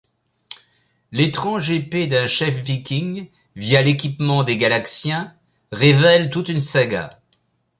L'étrange épée d'un chef viking, via l'équipement des Galaxiens, révèle toute une saga.